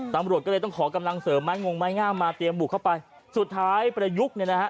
ตำรวจก็เลยต้องขอกำลังเสริมไม้งงไม้งามมาเตรียมบุกเข้าไปสุดท้ายประยุกต์เนี่ยนะฮะ